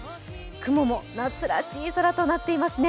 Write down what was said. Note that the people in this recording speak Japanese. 雲も夏らしい空となっていますね。